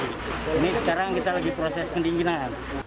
ini sekarang kita lagi proses pendinginan